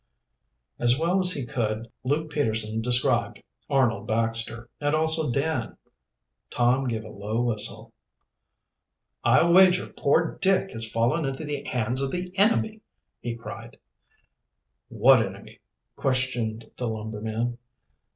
As well as he could Luke Peterson described Arnold Baxter, and also Dan. Tom gave a low whistle. "I'll wager poor Dick has fallen into the hands of the enemy," he cried. "What enemy?" questioned the lumberman.